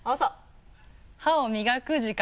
歯を磨く時間。